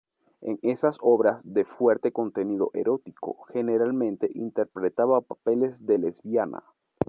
En esas obras, de fuerte contenido erótico, generalmente interpretaba papeles de lesbiana.